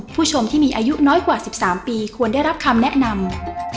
ผู้ชมที่มีอายุน้อยกว่า๑๓ปีควรได้รับคำแนะนำ